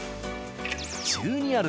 １２ある